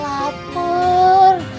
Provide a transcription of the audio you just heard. wah aku lapar